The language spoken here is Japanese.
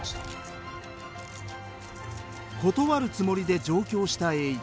断るつもりで上京した栄一。